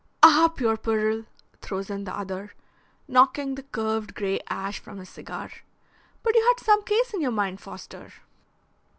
"Ah, puerperal!" throws in the other, knocking the curved grey ash from his cigar. "But you had some case in your mind, Foster."